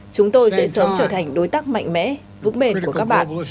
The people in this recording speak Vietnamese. chúng tôi sẽ sớm trở thành đối tác mạnh mẽ vững bền của các bạn